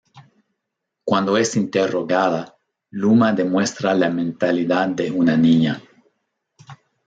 Cuando es interrogada, Luma demuestra la mentalidad de una niña.